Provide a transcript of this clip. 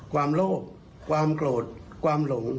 ความโลภความโกรธความหลง